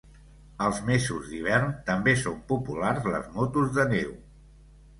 Als mesos d'hivern, també són populars les motos de neu.